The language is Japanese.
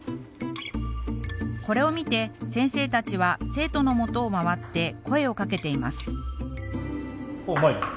これを見て先生たちは生徒のもとを回って声をかけています。